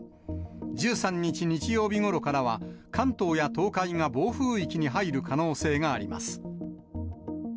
１３日日曜日ごろからは、関東や東海が暴風域に入る可能性があります。